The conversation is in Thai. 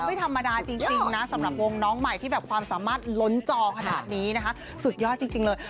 ไม่ธรรมดาจริงนะสำหรับวงน้องใหม่ที่แบบความสามารถล้นจอขนาดนี้นะคะสุดยอดจริงเลย